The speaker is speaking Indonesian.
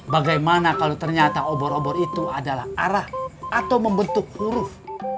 bagaimana kalau ternyata obor obor itu adalah arah atau membentuk huruf